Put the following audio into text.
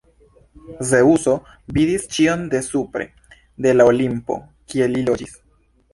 Zeŭso vidis ĉion de supre, de la Olimpo, kie li loĝis.